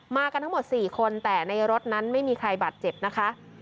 กันทั้งหมด๔คนแต่ในรถนั้นไม่มีใครบาดเจ็บนะคะ